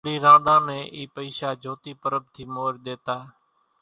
رانڏي رانڏان نين اِي پئيشا جھوتي پرٻ ٿي مورِ ۮيتا،